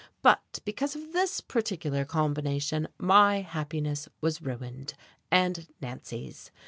But because of this particular combination my happiness was ruined, and Nancy's!